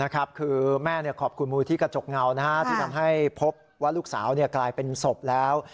คือแม่ขอบคุณมูลที่กระจกเงาที่ทำให้พบว่าลูกสาวกลายเป็นศพแล้ว